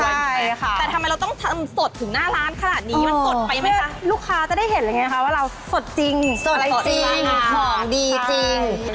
ใช่ค่ะแต่ทำไมเราต้องทำสดถึงหน้าร้านขนาดนี้มันสดไปไหมคะลูกค้าจะได้เห็นเลยไงคะว่าเราสดจริงสดจริงของดีจริง